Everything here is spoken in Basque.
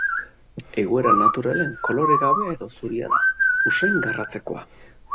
Egoera naturalean koloregabea edo zuria da, usain garratzekoa.